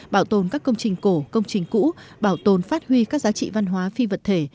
bảo tồn các công trình cổ công trình cũ bảo tồn phát huy các giá trị văn hóa phi vật thể